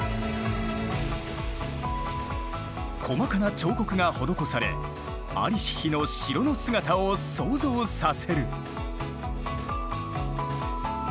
細かな彫刻が施され在りし日の城の姿を想像させる。